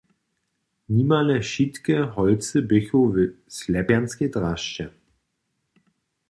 Nimale wšitke holcy běchu w slepjanskej drasće.